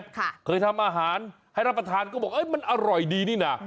เคยทำอาหารให้รับประทานก็บอกเอ้ยมันอร่อยดีนี่น่ะ